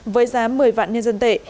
với giá một mươi vạn nhân dân tệ